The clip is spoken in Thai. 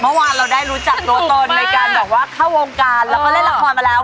เมื่อวานเราได้รู้จักตัวตนในการแบบว่าเข้าวงการแล้วก็เล่นละครมาแล้ว